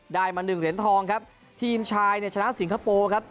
ได้มาหนึ่งเหรียญทองครับทีมชายเนี่ยชนะสิงคโปร์ครับ